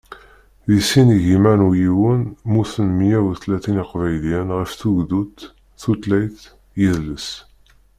Di sin igiman u yiwen mmuten meyya u tlatin iqbayliyen ɣef tugdut, tutlayt, yidles...